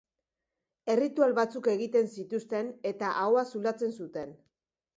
Erritual batzuk egiten zituzten, eta ahoa zulatzen zuten.